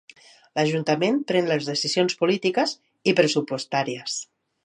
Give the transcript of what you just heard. L'ajuntament pren les decisions polítiques i pressupostàries.